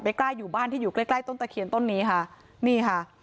ไปใกล้อยู่บ้านที่อยู่ใกล้ต้นตะเขียนต้นนี้ค่ะ